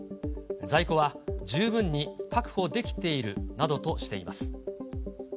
在庫は十分に確保できているなどとしています。